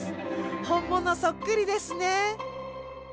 本物そっくりですね。